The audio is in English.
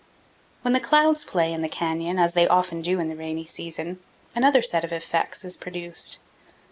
When the clouds play in the canyon, as they often do in the rainy season, another set of effects is produced.